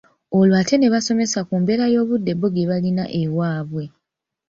Olwo ate ne basomesa ku mbeera y’Obudde bo gye balina ewaabwe